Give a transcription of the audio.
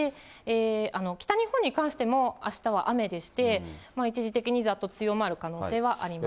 北日本に関してもあしたは雨でして、一時的にざっと強まる可能性あります。